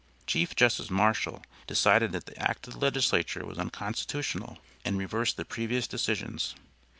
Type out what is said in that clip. Chief Justice Marshal decided that the act of the legisature was unconstitutional and reversed the previous decisions.